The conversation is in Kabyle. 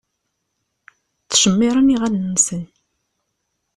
Ttcemmiṛen iɣallen-nsen.